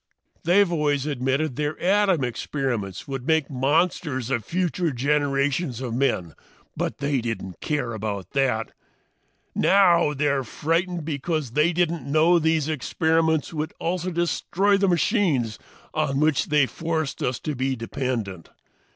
"They've always admitted their atom experiments would make monsters of future generations of men, but they didn't care about that! Now they're frightened because they didn't know these experiments would also destroy the machines on which they had forced us to be dependent.